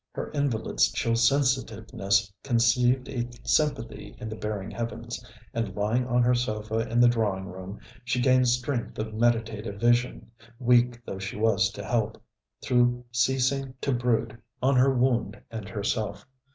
Her invalid's chill sensitiveness conceived a sympathy in the baring heavens, and lying on her sofa in the drawing room she gained strength of meditative vision, weak though she was to help, through ceasing to brood on her wound and herself.